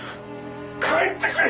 帰ってくれ！